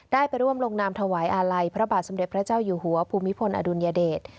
ได้ไปร่วมลงนามถวายอาลัยพระบาทสมเด็จพระเจ้าอยู่หัวภูมิพลอดุลยเดช